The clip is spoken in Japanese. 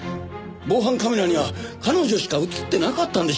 防犯カメラには彼女しか映ってなかったんでしょ？